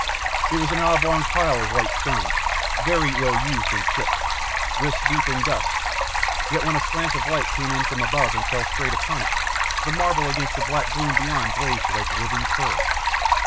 It was an oblong pile of white stone, very ill used and chipped, wrist deep in dust, yet when a slant of light came in from above and fell straight upon it, the marble against the black gloom beyond blazed like living pearl.